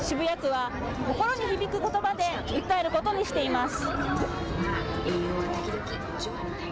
渋谷区は心に響くことばで訴えることにしています。